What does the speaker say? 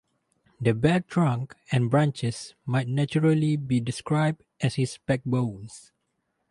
The bare trunk and branches might naturally be described as his backbones.